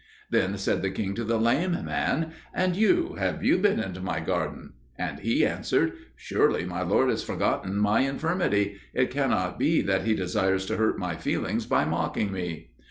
Then said the king to the lame man, "And you, have you been into my garden?" And he answered, "Surely my lord has forgotten my infirmity; it cannot be that he desires to hurt my feelings by mocking me!"